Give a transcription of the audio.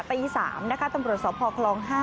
ตี๓นะคะตำรวจสพคลอง๕